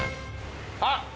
あっ！